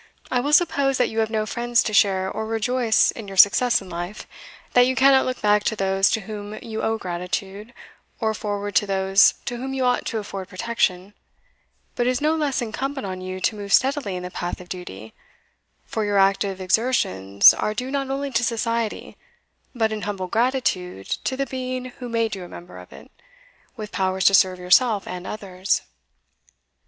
I will suppose that you have no friends to share or rejoice in your success in life that you cannot look back to those to whom you owe gratitude, or forward to those to whom you ought to afford protection; but it is no less incumbent on you to move steadily in the path of duty for your active exertions are due not only to society, but in humble gratitude to the Being who made you a member of it, with powers to serve yourself and others."